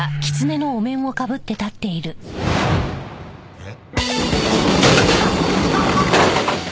えっ？